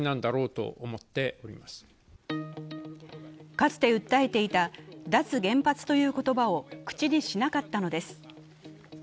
かつて訴えていた脱原発という言葉を口にしなかったのです。